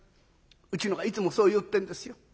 うちのがいつもそう言ってるんですよ。